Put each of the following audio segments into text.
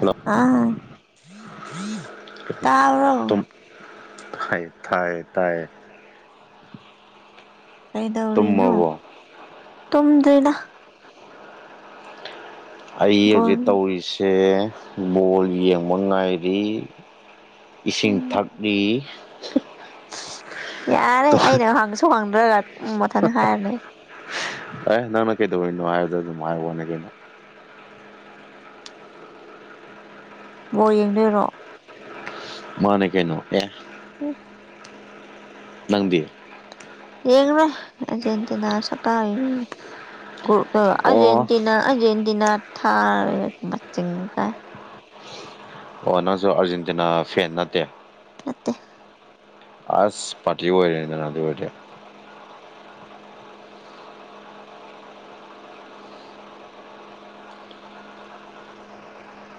Hello ꯑꯥ ꯇꯥꯕꯔꯣ ꯇꯥꯏ ꯇꯥꯏꯌ‌ꯦ ꯇꯥꯏꯌꯦ ꯀꯩꯗꯧꯔꯤꯅꫭ ꯇꯨꯝꯃꯕꯣ ꯇꯨꯝꯗꯔꯤꯗ ꯑꯩ ꯍꯧꯖꯤꯛ ꯕꯣꯜ ꯇꯧꯔꯤꯁꯦ ꯕꯣꯜ ꯌꯦꯡꯕ ꯉꯥꯏꯔꯤ ꯏꯁꯤꯡ ꯊꯛꯂꯤ ꯌꯥꯔꯦ ꯑꯩꯅ ꯍꯥꯡꯉꯁꯨ ꯍꯥꯡꯗ꯭ꯔꯒ ꯎꯝ ꯃꯊꯟ ꯍꯥꯏꯔꯥ ꯂꯩ ꯑꯦ ꯅꯪꯅ ꯀꯩꯗꯧꯔꯤꯅꯣ ꯍꯥꯏꯕꯗꯣ ꯑꯗꯨꯝ ꯍꯥꯏꯕ ꯋꯥꯅꯦ ꯀꯩꯅꯣ ꯕꫭꯜ ꯌꯦꯡꯗꯣꯏꯔꯣ ꯃꯥꯅꯦ ꯀꯩꯅꯣ ꯑꯦ ꯄꯨꯡꯁ ꯅꯪꯗꯤ ꯌꯦꯅꯦꯆ ꯏꯇꯅꯥ ꯁꯀ ꯑꯣ ꯑꯔꯖꯦꯟꯇꯤꯅꯥ ꯑꯔꯖꯦꯟꯇꯤꯅꯥ ꯊꯥꯔꯦꯆꯤꯡ ꯀ ꯑꯣ ꯅꯪꯁꯨ ꯑꯥꯔꯖꯦꯟꯇꯤꯅꯥ ꯐꯦꯟ ꯅꯠꯇꯦ ꯑꯛꯇ ꯑꯁ ꯄꯥꯇꯤ ꯑꯣꯏꯔꯦ ꯅꯅꯥ ꯑꯣꯏꯔꯦ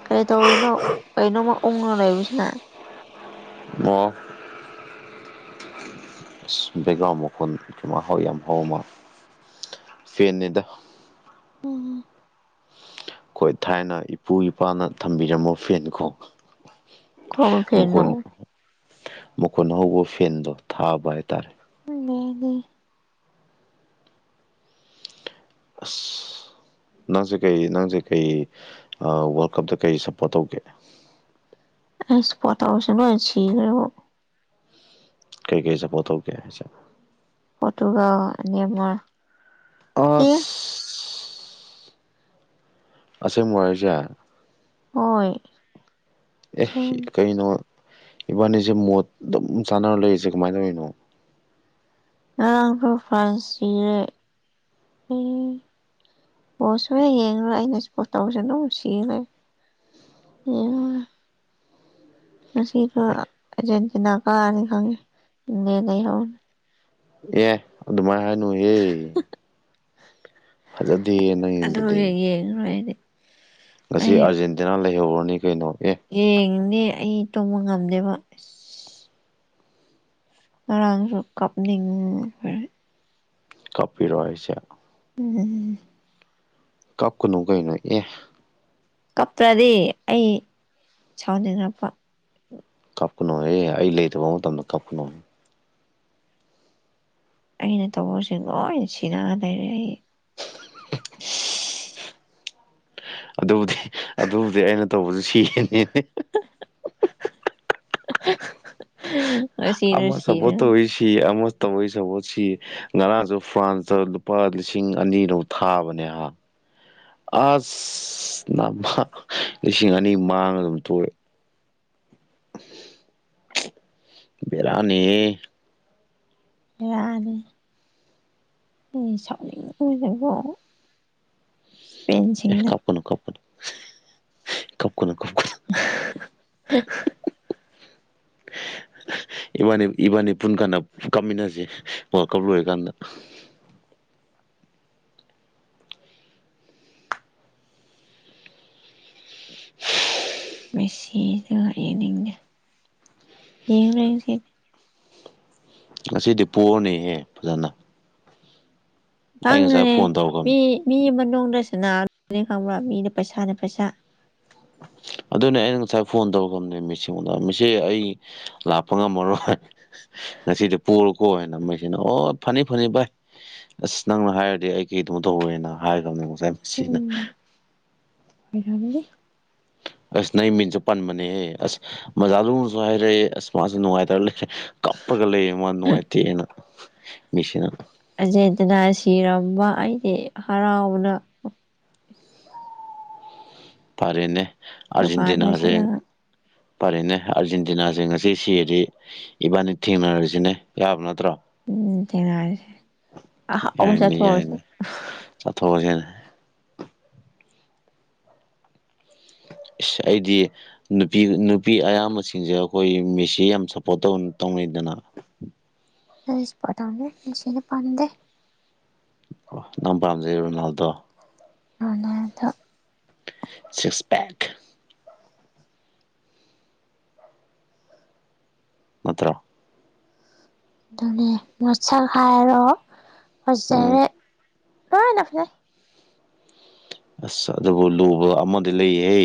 ꯀꯔꯤ ꯇꯧꯔꯤꯅꯣ ꯀꯩꯅꯣꯃ ꯎꯪꯉ ꯂꯩꯕꯁꯤꯅ ꯑꯣ [unintelligible] ꯕꯦꯛꯒ꯭ꯔꯥꯎꯟ ꯃꯈꫭꯜ ꯃꯈꫭꯜ ꯌꯥꯝ ꯍꯧꯕ ꯃꯥꯟꯂ‌ꯦ ꯐ‌ꯦꯟꯅꯤꯗ ꯑꯣ ꯑꯩꯈꯣꯏ ꯊꯥꯏꯅ ꯏꯄꯨ ꯏꯄꯥꯅ ꯊꯝꯕꯤꯔꯝꯕ ꯐꯦꯟ ꯀꯣ ꯀꯔꯝꯕ ꯐꯦꯟꯅꯣ ꯃꯈꫭꯟ ꯃꯈꫭꯟ‌ ꯍꯧꯕ ꯐꯦꯟꯗꯣ ꯊꯥꯕ ꯍꯥꯏꯇꯥꯔꯦ ꯂꯩꯅꯦ ꯑꯁ ꯅꯪꯁꯦ ꯀꯩ ꯅꯪꯁꯦ ꯀꯩ ꯑꯥ ꯋꯥꯔꯜ ꯀꯞꯇ ꯀꯩ ꯁꯞꯄꯣꯔꯠ ꯇꯧꯒꯦ ꯑꯩ ꯁꯄꫭꯔꯠ ꯇꯧꯕꯁꯤ ꯂꫭꯏ ꯁꯤꯒꯔ‌ꯦꯕꫭ ꯀꯩꯀꯩ ꯁꯄꫭꯔꯠ ꯇꯧꯒ‌ꯦ ꯍꯥꯏꯁꯦ ꯑꯗꯨꯒꯥ ꯅ‌ꯦꯃꯥꯔ ꯑꯁ ꯑꯁꯦꯡꯕꯔꫭ ꯍꯥꯏꯁ‌ꯦ ꯍꯣꯏ ꯑꯦ ꯁꯤꯡ ꯀꯩꯅꯣ ꯏꯕꯥꯅꯤꯁꯦ ꯃꯣꯠ ꯑꯗꯨꯝ ꯆꯥꯟꯅꯔ ꯂꯩꯔꯤꯁꯦ ꯀꯃꯥꯏꯅ ꯇꯧꯔꯤꯅꯣ ꯉꯔꯥꯡꯁꯨ ꯐ꯭ꯔꯥꯟꯁ ꯁꯤꯔ‌ꯦ ꯕꯣꯜ ꯁꯨꯡ ꯌꯦꯡ ꯌ‌ꯦꯡꯉꯔꫭꯏ ꯑꯩꯅ ꯁꯄꯣꯔꯠꯇꯧꯕꯁ‌ꯦ ꯑꯗꯨꯝ ꯁꯤ ꯂꯩ [inaudible] ꯉꯁꯤꯒ ꯑꯔꯖꯦꯟꯇꯤꯅꯥ ꯀꯥꯔꯅꯤ ꯈꯪꯉꯦ ꯏꯤꯡꯂ‌ꯦꯟ ꯂꯩꯍꯧꯅꯤ ꯑꯦ ꯑꯗꯨꯃꯥꯏꯅ ꯍꯥꯏꯅꯨꯍꯦ ꯐꯖꯗ‌ꯦꯍ‌ꯦ ꯑꯗꯨꯒꯤ ꯌꯦꯡꯉꯣꯏ ꯑꯩꯗꯤ ꯉꯁꯤ ꯑꯥꯔꯖꯦꯟꯇꯤꯅꯥ ꯂꯩꯍꯧꯔꯅꯤ ꯀꯩꯅꯣ ꯑꯦꯍ ꯌꯦꯡꯅꯦ ꯑꯩ ꯇꯨꯝꯕ ꯉꯝꯗꯦꯕ ꯑꯁ ꯉꯔꯥꯡꯁꯨ ꯀꯥꯞꯅꯤꯡ ꯀꯞꯄꯤꯔꯣ ꯍꯥꯏꯁꯦ ꯎꯝ ꯀꯞꯀꯅꯨ ꯀꯩꯅꯣ ꯑꯦꯍ ꯀꯞꯇ꯭ꯔꯗꯤ ꯑꯩ ꯁꯥꯎꯅꯤꯡꯉꯛꯄ ꯀꯞꯅꯣꯍ‌ꯦ ꯑꯩ ꯂꯩꯇꯕ ꯃꯇꯝꯗ ꯀꯞꯀꯅꯣ ꯑꯩꯅ ꯇꯧꯕꯁꯦ ꯂꯣꯏ ꯁꯤꯅꯒ ꯂꯩꯔꯦ ꯑꯩ ꯑꯗꯨꯕꯨꯗꯤ ꯑꯗꯨꯕꯨꯗꯤ ꯑꯩꯅ ꯇꯧꯕꯗꯨ ꯁꯤꯒꯔꯤꯖꯤꯗꯤ ꯉꯁꯤꯗꫭ‌ ꯑꯃ ꯁꯞꯄꯣꯔꯠ ꯁꯤꯔꯅꯤ ꯇꯧꯋꯤ ꯁꯤ ꯑꯃ ꯇ ꯑꯩ ꯁꯁꯤ [unintelligible] ꯉꯔꯥꯡꯁꯨ ꯐ꯭ꯔꯥꯟꯁꯇ ꯂꯨꯄꯥ ꯂꯤꯁꯤꯡ ꯑꯅꯤꯔ ꯊꯥꯕꯅꯦ ꯍꯥ ꯑꯁ ꯅꯃ ꯂꯤꯁꯤꯡ ꯑꯅꯤ ꯃꯥꯡ ꯑꯗꯨꯝ ꯇꯨꯔꯦ ꯕꯤꯔꯅꯤꯍꯦ ꯕꯦꯔꯥꯅꯦ ꯑꯩ ꯁꯥꯎꯅꯤꯡꯕꯥꯅꯥꯀꯣ ꯑꯦ ꯀꯞꯀꯅꯨ ꯀꯞꯀꯅꯨ ꯀꯞꯀꯅꯨ ꯀꯞꯀꯅꯨ [unintelligible] [unintelligible] ꯏꯕꯥꯅꯤ ꯏꯕꯥꯅꯤ ꯄꯨꯟ ꯀꯥꯟꯗ ꯀꯥꯞꯃꯤꯟꯅꯁꯦ ꯋꯥꯔꯜꯀꯞ ꯂꯣꯏꯔꯀꯥꯟꯗ ꯃꯁꯤꯗꯨ ꯌ‌ꯦꯡꯅꯤꯡꯗ‌ꯦ ꯌ‌ꯦꯡꯅꯤꯡꯗ‌ꯦ ꯉꯁꯤꯗꯤ ꯄꯣꯔꯅꯦꯍꯦ ꯐꯖꯅ ꯑꯩ ꯉꯁꯥꯏ ꯈꯪꯈ꯭ꯔꯦ ꯐꯣꯟ ꯃꯤ ꯇꯧꯈ꯭ꯔꯕꯅꯤ ꯃꯤ ꯅꯨꯡꯗ ꯁꯅꯥꯗꯨꯗꯤ ꯈꯪꯕ꯭ꯔꯥ ꯃꯤꯅ ꯄꯩꯁꯥꯅꯦ ꯄꯩꯁꯥ ꯑꯗꯨꯅꯦ ꯑꯩꯅ ꯉꯁꯥꯏ ꯐꯣꯟ ꯇꯧꯒꯔꯝꯅꯦ ꯃꯤꯁꯤꯗ ꯃꯤꯁꯤ ꯑꯩ ꯂꯥꯛꯄ ꯉꯝꯃꯔꯣꯏ ꯉꯁꯤꯗꯤ ꯄꯣꯂꯣꯀꯣ ꯍꯥꯏꯅ ꯃꯩꯁꯤꯅ ꯑꯣ ꯐꯅꯤ ꯐꯅꯤ ꯚꯥꯏ ꯑꯁ ꯅꯪꯅ ꯍꯥꯏꯔꯗꯤ ꯑꯩ ꯀꯩꯗꯝ ꯇꯧꯔꫭꯏꯅ ꯍꯥꯏꯔꯕꯅꯦꯕ ꯉꯁꯥꯏ ꯃꯤꯁꯤꯅ ꯑꯣꯏꯔꯝꯗꯤ [unintelligible] ꯑꯁ ꯅꯪ ꯃꯤꯟꯁꯨ ꯄꯟꯕꯅꯦꯍꯦ ꯑꯁ ꯃꯖꯥ ꯂꯨꯅꯁꯨ ꯍꯥꯏꯔꯛꯑꯦ ꯑꯁ ꯃꯥꯁꯨ ꯅꯨꯡꯉꯥꯏꯇꯔ ꯂꯩ ꯀꯞꯄꯒ ꯂꯩꯌꯦ ꯃꯥ ꯅꯨꯡꯉꯥꯏꯇꯦꯑꯅ ꯃꯤꯁꯤꯅ ꯑꯦꯖꯦꯟꯇꯤꯅꯥ ꯁꯤꯔꯝꯕ ꯑꯩꯗꯤ ꯍꯔꯥꯎꯕꯥꯥꯅ ꯐꯔꯦꯅꯦ ꯗꯨꯀꯥꯟꯗ ꯑꯖꯦꯟꯇꯤꯅꯥꯖ ꯆꯠꯂꯒ ꯐꯔꯦꯅꯦ ꯑꯔꯖꯦꯟꯇꯤꯅꯥꯁꯤ ꯑꯁꯤ ꯁꯤꯔꯗꯤ ꯏꯕꯥꯅꯤ ꯊꯦꯡꯅꯔꯔꯤꯁꯤꯅꯦ ꯌꯥꯕ ꯅꯠꯇ꯭ꯔꯣ ꯎꯝ ꯊꯦꯡꯅꯔꯁꯦ ꯑꯍꯎꯑꯣꯕꯥ ꯆꯠꯊꯣꯛ ꯑꯁꯦ ꯆꯠꯊꯣꯛꯑꯁꯤꯦꯅꯦ ꯏꯁ ꯑꯩꯗꯤ ꯅꯨꯄꯤ ꯅꯨꯄꯤ ꯑꯌꯥꯝꯕꯁꯤꯡꯁꯦ ꯑꯩꯈꯣꯏ ꯃꯦꯁꯤ ꯌꯥꯝ ꯁꯞꯄꯣꯔꯠ ꯇꯧ ꯇꯧꯅꯩꯗꯅ [unintelligible] ꯑꯣ ꯅꯪ ꯄꯥꯝꯖꯩ ꯔꯣꯅꯥꯜꯗꯣ ꯔꯣꯅꯥꯜꯗꯣ ꯁꯤꯛꯁ ꯄꯦꯛ ꯅꯠꯇ꯭ꯔꯣ ꯑꯗꯨꯅꯦ ꯃꯁꯛ ꯍꯥꯏꯔꯣ ꯎꯝ ꯐꯖꯔꯦ ꯂꯣꯏꯅ ꯐꯖꯩ ꯑꯁ ꯑꯗꯨꯕꯨ ꯂꯨꯕ ꯑꯃꯗꯤ ꯂꯩꯍ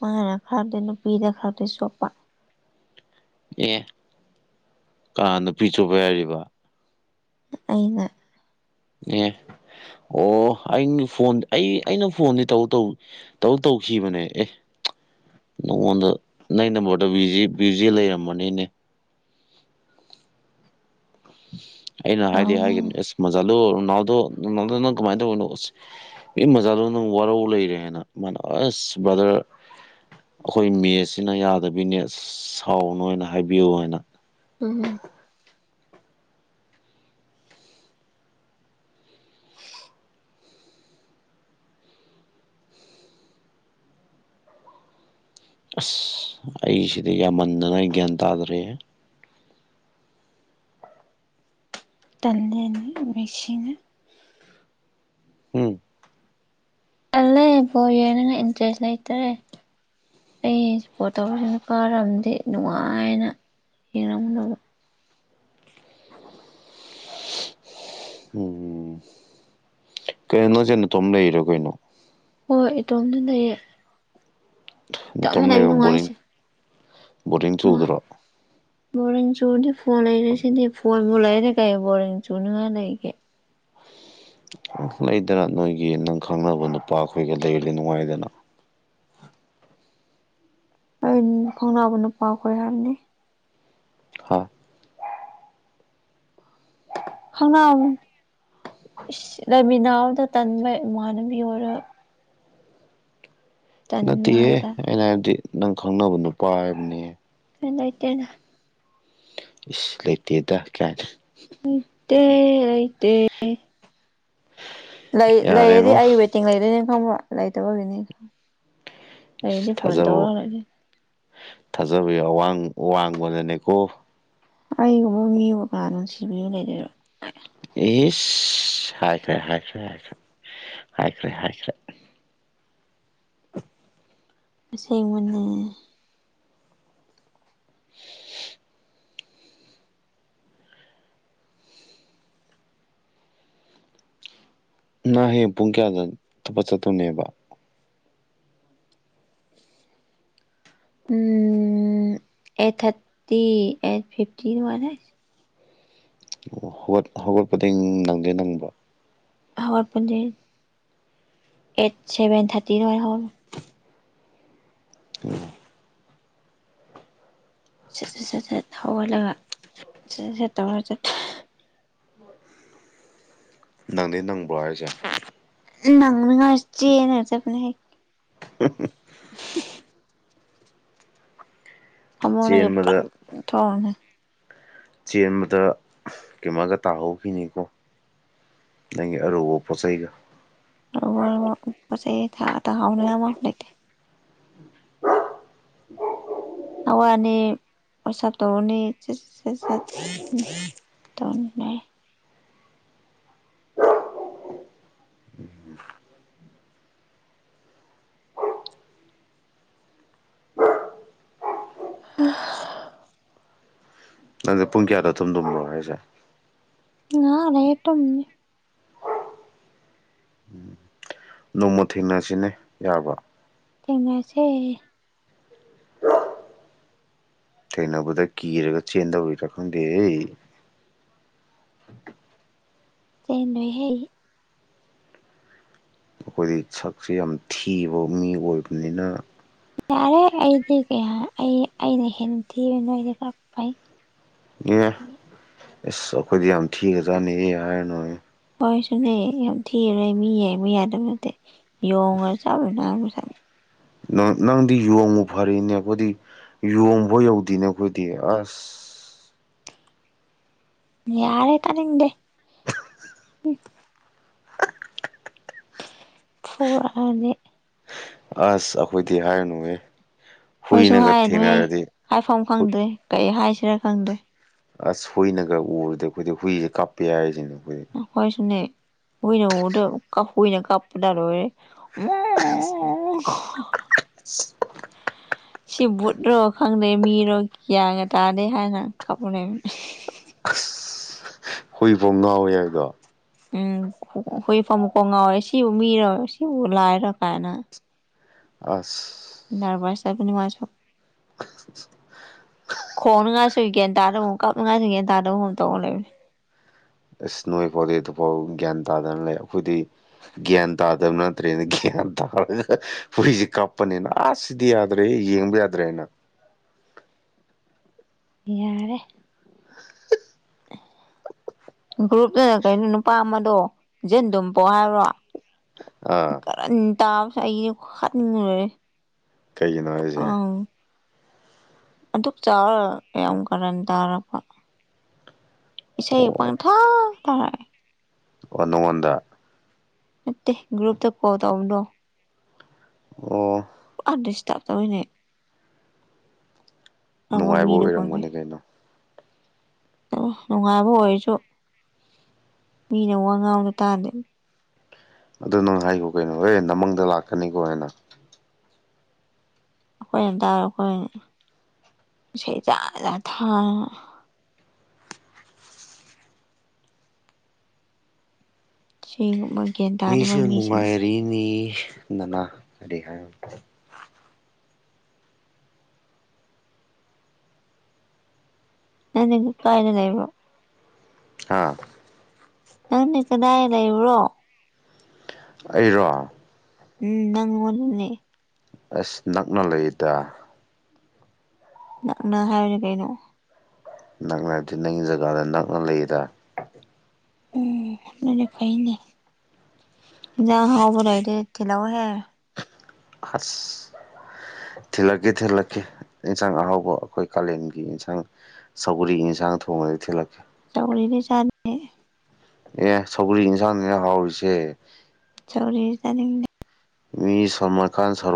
ꯃꯥꯅ ꯈꯔꯗꯤ ꯅꯨꯄꯤꯗ ꯈꯔꯗꯤ ꯁꯣꯛꯄ ꯑꯦ ꯀꯅꯥ ꯅꯨꯄꯤ ꯆꯨꯞꯄꯦ ꯌꯥꯔꯤꯕ ꯑꯩꯅ ꯑꯦ ꯑꯣ ꯑꯩ ꯐꯣꯟ ꯑꯩ ꯑꯩꯅ ꯐꯣꯟꯗꯤ ꯇꯧ ꯇꯧ ꯇꯧ ꯇꯧꯈꯤꯕꯅꯦ ꯑꯦ ꯅꯉꯣꯟꯗ ꯅꯪ ꯅꯝꯕꯔꯗꯣ ꯕꯤꯖꯤ ꯕꯤꯖꯤ ꯂꯩꯔꯝꯕꯅꯤꯅꯦ ꯑꯩꯅ ꯍꯥꯏꯗꯤ ꯍꯥꯏꯒꯅꯤ ꯑꯦꯁ ꯃꯖꯥꯂꯣ ꯔꯨꯅꯥꯜꯗꯣꯅꯥꯜꯗꯣ ꯅꯪ ꯀꯃꯥꯏꯅ ꯇꯧꯕꯅꯣ ꯏ ꯃꯖꯅꯨꯅ ꯅꯪ ꯋꯥꯔꯧ ꯂꯩꯔꯦ ꯍꯥꯏꯅ ꯃꯥꯅ ꯑꯁ ꯕ꯭ꯔꯗꯔ ꯑꯩꯈꯣꯏ ꯅꯦꯠꯁꯤꯅ ꯌꯥꯗꯕꯤꯅꯦ ꯁꯥꯎꯅꯣꯅ ꯍꯥꯏꯕꯤꯌꯨ ꯍꯥꯏꯅ ꯎꯝ ꯑꯁ ꯑꯩꯁꯤꯗꯤ ꯌꯥꯝꯃꯟꯗꯥꯅ ꯑꯩ ꯒ꯭ꯌꯥꯟ ꯇꯥꯗꯔꯦꯍꯦ꯫ ꯇꯜꯂꯦ ꯅꯣꯏ ꯃꯁꯤꯅꯤ ꯎꯝ ꯇꯜꯂꯦ ꯕꯣꯜ ꯌꯦꯡꯕ ꯏꯟꯇꯔꯦꯁ ꯂꯩꯇꯔꯦ ꯑꯩꯄꯣꯠ ꯇꯧꯔꯤꯁꯤꯡꯅ ꯀꯥꯔꯝꯗꯤ ꯅꯨꯡꯉꯥꯏꯅ ꯌꯦꯡꯔꯝꯒꯗꯕ ꯎꯝ ꯀꯩꯅꯤ ꯅꯪꯁꯦ ꯅꯇꯣꯝ ꯂꯩꯔꯣ ꯀꯩꯅꯣ ꯍꯣꯏ ꯏꯇꯣꯝꯗ ꯂꯩꯌꯦ ꯇꯞꯅ ꯅꯇꯣꯝ ꯂꯩꯕ ꯕꯣꯔꯤꯡ ꯅꯨꯡꯉꯥꯏꯁꯦ ꯕꯣꯔꯤꯡ ꯅꯨꯡꯉꯥꯏ ꯆꯨꯗ꯭ꯔꯣ ꯕꯣꯔꯤꯡ ꯆꯨꯗꯦ ꯐꯣꯟ ꯂꯩꯔꯤꯁꯤꯗꯤ ꯐꯣꯟꯕꯨ ꯂꯩꯔꯗꯤ ꯀꯩ ꯕꯣꯔꯤꯡ ꯆꯨꯅꯉꯥꯏ ꯂꯩꯒꯦ ꯂꯩꯗꯅ ꯅꯣꯏꯒꯤ ꯅꯪ ꯈꯪꯅꯕ ꯅꯨꯄꯥꯈꯣꯏꯒ ꯂꯩꯔꯗꯤ ꯅꯨꯡꯉꯥꯏꯗꯅ ꯑꯩꯟ ꯈꯪꯅꯥꯕ ꯅꯨꯄꯥꯈꯣꯏ ꯍꯥꯏꯕꯅꯤ ꯍꯥ ꯈꯪꯅꯥꯎ ꯏꯁ ꯂꯩꯥꯃꯤꯅꯕꯗꯣ ꯇꯟꯕꯩ ꯏꯃꯥꯟꯅꯕꯤ ꯑꯣꯏꯔꯒ ꯇꯟꯕ ꯅꯠꯇꯦꯍꯦ ꯍꯥꯏꯕ ꯑꯩꯅ ꯍꯥꯏꯕꯗꯤ ꯅꯪ ꯈꯪꯅꯕ ꯅꯨꯄꯥ ꯍꯥꯏꯕꯅꯤꯍꯦ ꯕꯤꯠ ꯂꯩꯇꯦꯗ ꯏꯁ ꯂꯩꯇꯦꯗ ꯀꯥꯏꯅꯥ ꯂꯩꯇ ꯂꯩꯇꯦ ꯂꯩ ꯂꯩꯗꯤ ꯌꯥꯔꯦꯉꯣ ꯑꯩ ꯇꯦꯡ ꯂꯩꯗꯣꯏꯅꯦꯅ ꯈꯪꯕꯣꯥ ꯂꯩꯇꯕꯒꯤꯅꯤꯅꯦ ꯊꯥꯖꯕ ꯂꯩꯗꯣꯏꯅꯦ ꯊꯥꯖꯕ ꯑꯋꯥꯡ ꯋꯥꯡ ꯋꯥꯡꯕꯅꯅꯦꯀꯣ ꯑꯩꯒꯨꯝꯕ ꯃꯤꯕꯨꯀꯥ ꯅꯨꯡꯁꯤꯕꯤꯌꯕ ꯂꯩꯗꯣꯏꯅꯣ ꯏꯁ ꯍꯥꯏꯈ꯭ꯔꯦ ꯍꯥꯏꯈ꯭ꯔꯦ ꯍꯥꯏꯈ꯭ꯔꯦ ꯍꯥꯏꯈ꯭ꯔꯦ ꯍꯥꯏꯈ꯭ꯔꯦ ꯑꯁꯦꯡꯕꯅꯦ ꯅꯪ ꯍꯌꯦꯡ ꯄꯨꯡ ꯀꯌꯥꯗ ꯊꯥꯕꯀ ꯆꯠꯇꯣꯏꯅꯦꯕ ꯎꯝ ꯑꯦꯠ ꯊꯥꯔꯇꯤ ꯑꯦꯠ ꯐꯤꯐꯇꯤ ꯑꯗꯨꯃꯥꯏꯅꯥꯏꯁ ꯑꯣ ꯍꯧꯒꯠ ꯍꯧꯒꯠꯄꯗꯤꯡ ꯅꯪꯗꯤ ꯅꯪꯕ꯭ꯔꯣ ꯍꯧꯒꯠꯄꯗꯤ ꯑꯦꯠ ꯁꯦꯚꯦꯟ ꯊꯥꯔꯇꯤꯔ ꯑꯗꯨꯃꯥꯏ ꯍꯧꯒꯠꯄꯅꯤ ꯎꯝ ꯁꯠ ꯁꯠ ꯁꯠ ꯁꯠ ꯍꯧꯒꯠꯂꯒ ꯁ ꯁꯠ ꯁꯠ ꯇꯧꯔ ꯆꯠ ꯅꯪꯗꯤ ꯅꯪꯕ꯭ꯔꯣ ꯍꯥꯏꯔꯤꯁꯦ ꯅꯡꯅꯉꯥꯏ ꯆꯦꯟꯔꯒ ꯆꯠꯄꯅꯤꯍꯦ [inaudible] ꯐꯃꯨꯡꯗꯒꯤ ꯆꯦꯟꯕꯗ ꯄ꯭ꯔꯡ ꯊꯣꯛꯑꯣꯅꯦ ꯆꯦꯟꯕꯗ ꯀꯩꯃꯒ ꯇꯥꯍꯧꯈꯤꯅꯤꯀꯣ ꯅꯪꯒꯤ ꯑꯔꯨꯕ ꯄꯣꯠꯆꯩꯒ ꯅꯪ ꯋꯥꯔꯤꯕꯣ ꯄꯣꯠ ꯆꯩꯒꯥ ꯇꯥ ꯇꯥꯍꯧꯅꯤꯡꯉꯥꯏ ꯃꯐꯝ ꯂꯩꯇꯦ ꯍꯋꯥꯅꯤ ꯑꯣꯁꯞ ꯇꯧꯔꯅꯤ ꯁ ꯁꯁꯠ ꯗꯣꯟꯃꯦ ꯍ ꯅꯪꯖꯦ ꯄꯨꯡ ꯀꯌꯥꯗ ꯊꯨꯝꯗꯨꯝꯅꯣ ꯍꯥꯏꯁꯦ ꯉꯥꯏꯍꯥꯛ ꯂꯩꯔ ꯇꯨꯝꯅꯤ ꯅꯣꯡꯃ ꯊꯦꯡꯅꯁꯤꯅꯦ ꯌꯥꯕ꯭ꯔꯣ ꯊꯦꯡꯅꯁꯦ ꯊꯦꯡꯅꯕꯗ ꯀꯤꯔꯒ ꯆꯦꯟꯗꯧꯔꯤꯔꯥ ꯈꯪꯗꯦꯍꯦ ꯆꯦꯟꯅꯣꯏꯍꯦ ꯑꯩꯈꯣꯏꯗꯤ ꯁꯛꯁꯦ ꯌꯥꯝ ꯊꯤꯕ ꯃꯤ ꯑꯣꯏꯕꯅꯤꯅ ꯌꯥꯔꯦ ꯑꯩꯗꯤ ꯀꯩꯍꯥ ꯑꯩ ꯑꯩꯅ ꯍꯦꯟꯅ ꯊꯤꯕ ꯅꯣꯏꯗꯤ ꯈꯔ ꯐꯩ ꯑꯦ ꯑꯁ ꯑꯩꯈꯣꯏꯗꯤ ꯌꯥꯝ ꯊꯤꯒꯖꯥꯅꯤꯍꯦ ꯍꯥꯏꯔꯅꯨꯍꯦ ꯍꯣꯏꯁꯨꯅꯦ ꯌꯥꯝ ꯊꯤꯒꯔꯦ ꯃꯤ ꯌꯦꯡꯕ ꯌꯥꯗꯕ ꯅꯠꯇꯦ ꯌꯣꯡꯒ ꯃꯥꯅ ꯃꯁꯛ ꯅ ꯅꯪꯗꯤ ꯌꯣꯡꯕꯨ ꯐꯔꯤꯅꯦ ꯑꯩꯈꯣꯏꯗꯤ ꯌꯣꯡꯕꯥꯎ ꯌꯧꯗꯦꯅꯦ ꯑꯩꯈꯣꯏꯗꯤ ꯑꯁ ꯌꯥꯔꯦ ꯇꯥꯅꯤꯡꯗꯦ ꯐꯨꯔꯛꯑꯅꯤ ꯑꯁ ꯑꯩꯈꯣꯏꯗꯤ ꯍꯥꯏꯔꯅꯨꯍꯦ ꯈꯣꯏꯁꯨ ꯍꯨꯏꯅꯒ ꯍꯥꯏꯔꯅꯨꯍꯦ ꯊꯦꯡꯅꯔꯗꯤ ꯍꯥꯏꯐꯝ ꯈꯪꯗ꯭ꯔꯦ ꯀꯩ ꯍꯥꯏꯁꯤꯔꯥ ꯈꯪꯗ꯭ꯔꯦ ꯑꯁ ꯍꯨꯏꯅꯒ ꯎꯔꯗ ꯑꯩꯈꯣꯏꯗꯤ ꯍꯨꯏꯁꯦ ꯀꯞꯄ ꯍꯥꯏꯔꯤꯖꯤꯅꯤ ꯑꯩꯈꯣꯏꯗꯤ ꯑꯩꯈꯣꯏꯁꯨꯅꯦ ꯍꯨꯏꯅ ꯎꯕꯗ ꯀꯞ ꯍꯨꯏꯅ ꯀꯞꯄꯗ ꯂꯣꯏꯔꯦ ꯁꯤ ꯕꯨꯠꯔꯣ ꯈꯪꯗꯦ ꯃꯤꯔꯣ ꯀꯌꯥꯒ ꯇꯥꯗꯦ ꯍꯥꯏꯅ ꯀꯕ ꯂꯩꯕ ꯍꯨꯏꯐꯥꯎ ꯉꯥꯎꯋꯦ ꯍꯥꯏꯗꯣ ꯎꯝ ꯍꯨꯏꯐꯝ ꯀꯣꯡ ꯉꯥꯎꯋꯦ ꯁꯤꯕꯨ ꯃꯤꯔꯣꯏ ꯁꯤꯕꯨ ꯂꯥꯏꯔ ꯀꯥꯏꯅ ꯑꯁ ꯔꯕꯔ ꯆꯥꯏꯕꯨ ꯃꯥꯏ ꯁ [unintelligible] ꯈꯣꯡꯅ ꯉꯥꯁꯨ ꯒꯦꯟ ꯇꯥꯗꯕꯨ ꯀꯞꯅ ꯉꯥꯏꯁꯨ ꯒꯦꯟ ꯇꯥꯗꯕꯒꯨꯛ ꯇꯧꯅ ꯂꯩꯕꯅꯤ ꯏꯁꯁ ꯅꯣꯏ ꯐꯣꯗꯦ ꯑꯗꯨꯐꯥꯎ ꯒ꯭ꯌꯥꯟ ꯇꯥꯗꯅ ꯂꯩ ꯑꯩꯈꯣꯏꯗꯤ ꯭ꯟꯇꯥꯗꯕꯅꯗ꯭ꯔꯅ ꯭ꯟꯇꯥ ꯄꯨꯁꯤ ꯀꯞꯄꯅꯦꯅꯤꯅ ꯑꯁ ꯁꯤꯗꯤ ꯌꯥꯗ꯭ꯔꯦꯍꯦ ꯌꯦꯡꯕ ꯌꯥꯗ꯭ꯔꯦ ꯍꯥꯏꯅ ꯌꯥꯔꯦ [unintelligible] ꯒ꯭ꯔꯨꯞꯇꯅ ꯀꯩꯅꯣ ꯅꯨꯄꯥ ꯑꯃꯗꯣ ꯖꯤꯟ ꯗꯨꯝ ꯄꯣ ꯍꯥꯏꯕ꯭ꯔꯣ ꯑꯥ ꯀꯔꯟ ꯇꯥꯕꯁꯤꯅ ꯑꯩꯗꯤ ꯍꯥꯠꯅꯤꯡꯕꯅ ꯂꯣꯏꯔꯦ ꯀꯩꯒꯤꯅꯣ ꯍꯥꯏꯁꯦ ꯑꯪ ꯑꯗꯨꯛ ꯆꯥꯎꯔꯒ ꯀꯌꯥꯝ ꯀꯥꯔꯟ ꯇꯥꯔꯛꯄ ꯏꯁꯩ ꯑꯣ ꯄꯡꯊꯣꯛ ꯇꯧꯔꯛꯏ ꯑꯣ ꯅꯣꯡꯉꯣꯟꯗ ꯅꯠꯇꯦ ꯒ꯭ꯔꯨꯞꯇ ꯀꯣꯜ ꯇꯧꯕꯅꯣ ꯑꯣ ꯑꯗꯤꯁꯇ ꯇꯅꯦ ꯑꯃ ꯅꯨꯡꯉꯥꯏꯕ ꯃꯤꯅ ꯀꯅꯦ ꯑꯣꯏꯔꯝꯒꯅꯤ ꯀꯩꯅꯣ ꯅꯨꯡꯉꯥꯏꯕ ꯑꯣꯏꯔꯁꯨ ꯃꯤꯅ ꯋꯥ ꯉꯥꯡꯅ ꯇꯥꯗꯦ ꯑꯗꯨ ꯅꯪ ꯍꯥꯏꯈꯣ ꯀꯩꯅꯣ ꯍ ꯅꯃꯪꯗ ꯂꯥꯛꯀꯅꯤꯀꯣ ꯍꯥꯏꯅ ꯑꯩꯈꯣꯏ ꯑꯗꯨꯝꯇꯥꯔꯦ ꯑꯩꯈꯣꯏ ꯏꯁꯩ ꯆꯖꯥ ꯊꯥꯔꯒ ꯁꯤꯨꯝ ꯃꯤꯁꯨ ꯅꯨꯡꯉꯥꯏꯔꯤꯅꯤꯗꯅ ꯀꯔꯤ ꯍꯥꯏꯕ ꯍ ꯀꯥꯏꯅ ꯂꯩꯕ ꯍꯥꯥ ꯅꯪꯅꯤ ꯀꯗꯥꯏ ꯂꯩꯕ꯭ꯔꯣ ꯑꯩꯔꯣ ꯎꯝ ꯅꯪ ꯃꯅꯦ ꯑꯁ ꯅꯛꯅ ꯂꯩꯗ ꯅꯪ ꯅꯪ ꯍꯥꯏꯅꯤ ꯀꯩꯅꯣ ꯅꯛꯅ ꯍꯥꯏꯗꯤ ꯅꯪꯒꯤ ꯖꯒꯥꯗ ꯅꯛꯅ ꯂꯩꯌꯦꯗ ꯎꯝ ꯐꯥꯏꯅꯦꯖ ꯍꯥꯎꯕꯔꯏꯗ ꯇꯤꯂ ꯍꯦ ꯑꯁ ꯊꯤꯜꯂꯛꯀꯦ ꯊꯤꯜꯂꯛꯀꯦ ꯌꯦꯟꯁꯥꯡ ꯑꯍꯥꯎꯕ ꯑꯩꯈꯣꯏ ꯀꯥꯂꯦꯟꯒꯤ ꯏꯟꯁꯥꯡ ꯁꯧꯒꯣꯔꯤꯒꯤ ꯌꯦꯟꯁꯥꯡ ꯊꯣꯡꯕꯗꯒꯤ ꯊꯤꯜꯂꯛꯀꯦ ꯇꯧꯔꯤꯅꯦ ꯆ ꯑꯦ ꯁꯧꯒꯔꯤ ꯌꯦꯟꯁꯥꯡꯅꯤꯅ ꯍꯥꯎꯔꯤꯁꯦ ꯆꯧꯔꯤ ꯆꯅꯤ ꯃꯤ ꯁꯜꯃꯥꯟ ꯈꯥꯟ ꯁꯔꯨꯛ